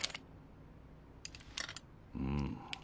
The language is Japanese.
うん。